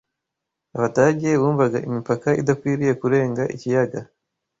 Abadage bumvaga imipaka idakwiriye kurenga ikiyaga